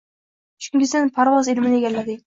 Chunki Sen parvoz ilmini egallading.